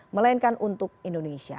melainkan untuk indonesia